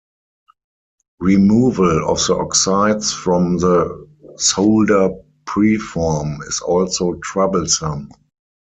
Removal of the oxides from the solder preform is also troublesome.